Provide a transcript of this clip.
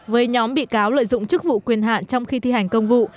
với nhóm bị cáo lợi dụng chức vụ quyền hạn trong khi thi hành công vụ